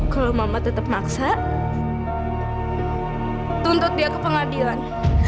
kalau mama tetap maksa tuntut dia ke pengadilan